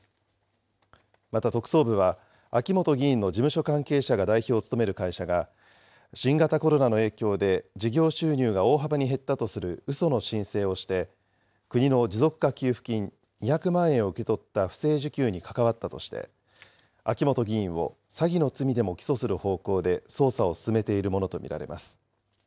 また特捜部は、秋本議員の事務所関係者が代表を務める会社が、新型コロナの影響で事業収入が大幅に減ったとするうその申請をして、国の持続化給付金２００万円を受け取った不正受給に関わったとして、秋本議員を詐欺の罪でも起訴する方向で捜査を進めているものと見られます。